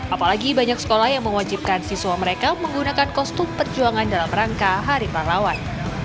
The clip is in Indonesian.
apalagi banyak sekolah yang mewajibkan siswa mereka menggunakan kostum perjuangan dalam rangka hari pahlawan